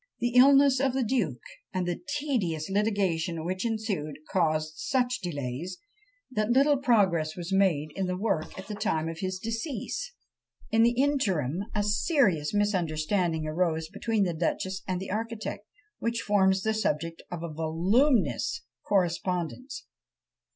"The illness of the duke, and the tedious litigation which ensued, caused such delays, that little progress was made in the work at the time of his decease. In the interim a serious misunderstanding arose between the duchess and the architect, which forms the subject of a voluminous correspondence.